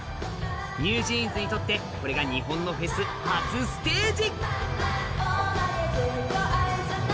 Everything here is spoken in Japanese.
ＮｅｗＪｅａｎｓにとってこれが日本のフェス初ステージ。